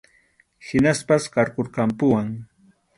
Hinaspas qarqurqampuwan.